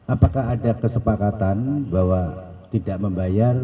apakah ada kesepakatan bahwa tidak membayar